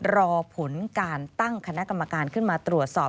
รอผลการตั้งคณะกรรมการขึ้นมาตรวจสอบ